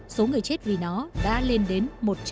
số người chết vì nó đã lên đến một trăm một mươi